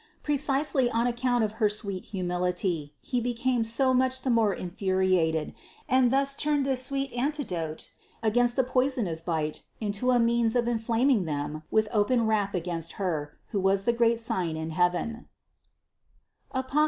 Precisely on account of her sweet humility he became so much the more infuriated, and thus turned this sweet antidote against the poisonous bite into a means of inflaming1 them with open wrath against Her who was the great sign in heaven (Apoc.